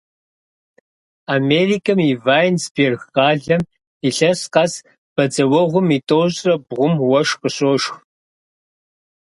Америкэм и Вайнсберг къалэм илъэс къэс бадзэуэгъуэм и тӏощӏрэ бгъум уэшх къыщошх.